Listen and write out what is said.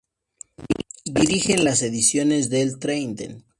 Dirige las ediciones del Trident.